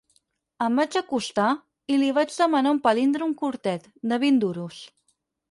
Em vaig acostar i li vaig demanar un palíndrom curtet, de vint duros.